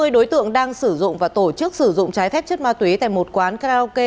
hai mươi đối tượng đang sử dụng và tổ chức sử dụng trái phép chất ma túy tại một quán karaoke